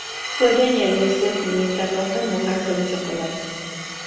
Puede añadirse pimienta roja y mojarse en chocolate.